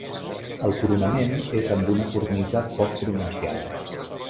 El coronament és amb una cornisa poc pronunciada.